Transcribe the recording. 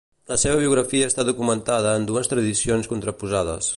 La seva biografia està documentada en dues tradicions contraposades.